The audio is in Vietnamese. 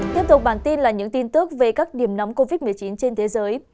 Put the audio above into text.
tiếp tục bản tin là những tin tức về các điểm nóng covid một mươi chín trên thế giới